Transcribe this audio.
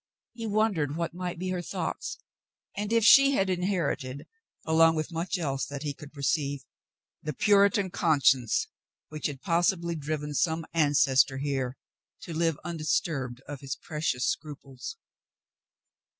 He wondered what might be her thoughts, and if she had inherited, along with much else that he could perceive, the Puritan conscience which had possibly driven some ancestor here to live undisturbed of his precious scruples.